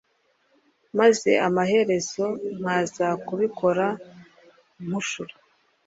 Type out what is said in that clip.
maze amaherezo nkaza kubikora mpushura